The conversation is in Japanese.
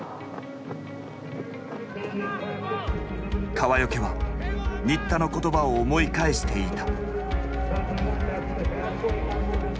川除は新田の言葉を思い返していた。